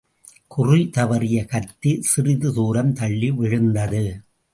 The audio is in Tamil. குறி தவறிய கத்தி சிறிது தூரம் தள்ளி விழுந்தது.